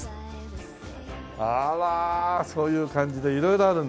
あらそういう感じで色々あるんだね。